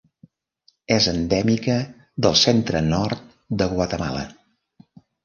És endèmica del centre-nord de Guatemala.